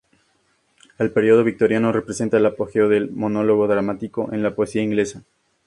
El periodo victoriano representa el apogeo del monólogo dramático en la poesía inglesa.